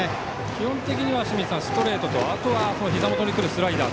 基本的にはストレートとひざ元にくるスライダー。